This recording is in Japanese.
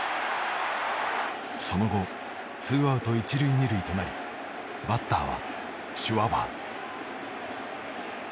その後ツーアウト一塁二塁となりバッターはシュワバー。